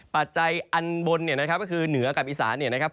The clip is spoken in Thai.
ปัจจัยอันบนก็คือเหนือกับอีสานนะครับ